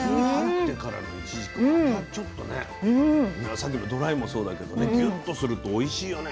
さっきのドライもそうだけどねギュッとするとおいしいよね。